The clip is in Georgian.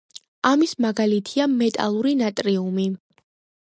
ამის მაგალითია მეტალური ნატრიუმი.